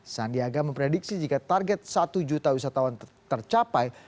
sandiaga memprediksi jika target satu juta wisatawan tercapai